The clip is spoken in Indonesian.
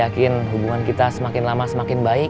yakin hubungan kita semakin lama semakin baik